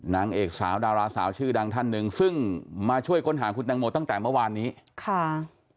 นางเอกสาวดาราสาวชื่อดังท่านหนึ่งซึ่งมาช่วยค้นหาคุณแตงโมตั้งแต่เมื่อวานนี้ค่ะ